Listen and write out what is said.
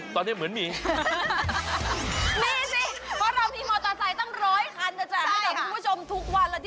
คุณไม่เห็นจะต้องพูดแล้ว